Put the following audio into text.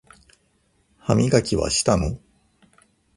歯磨きはしたの？